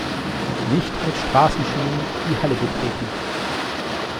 Nicht mit Straßenschuhen die Halle betreten!